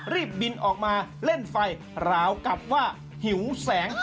รีบบินออกมาเล่นไฟราวกับว่าหิวแสง